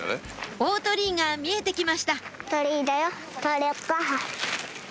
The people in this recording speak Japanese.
大鳥居が見えて来ました